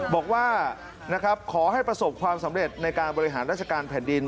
บอกว่านะครับขอให้ประสบความสำเร็จในการบริหารราชการแผ่นดิน